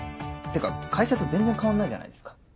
ってか会社と全然変わんないじゃないですか。